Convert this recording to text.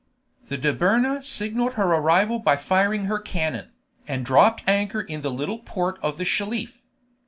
The Dobryna signalized her arrival by firing her cannon, and dropped anchor in the little port of the Shelif.